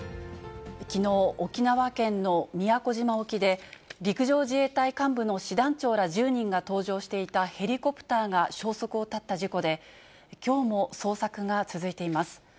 きのう、沖縄県の宮古島沖で、陸上自衛隊幹部の師団長ら１０人が搭乗していたヘリコプターが消息を絶った事故で、きょうも捜索が続いています。